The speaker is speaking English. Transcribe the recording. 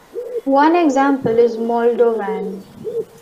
One example is Moldovan.